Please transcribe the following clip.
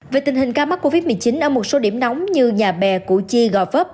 về tình hình ca mắc covid một mươi chín ở một số điểm nóng như nhà bè củ chi gò vấp